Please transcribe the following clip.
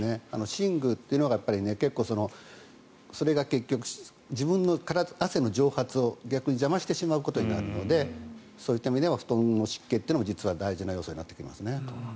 寝具というのが結構それが結局自分の汗の蒸発を逆に邪魔してしまうことになるので、そういった意味でも布団の湿気というのは実は大事な要素になってきますね。